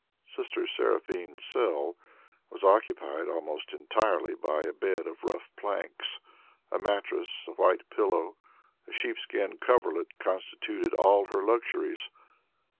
Sister Seraphine's cell was occupied almost entirely by a bed of rough planks; a mattress, a white pillow, a sheepskin coverlet constituted all her luxuries.